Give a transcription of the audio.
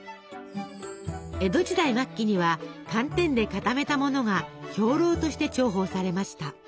江戸時代末期には寒天で固めたものが兵糧として重宝されました。